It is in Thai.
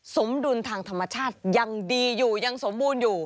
สมดุลทางธรรมชาติยังดีอยู่ยังสมบูรณ์อยู่